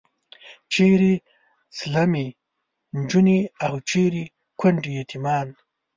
چیرې ځلمي نجونې او چیرې کونډې یتیمان.